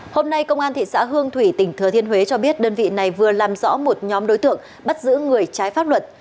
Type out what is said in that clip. hôm nay công an thị xã hương thủy tỉnh thừa thiên huế cho biết đơn vị này vừa làm rõ một nhóm đối tượng bắt giữ người trái pháp luật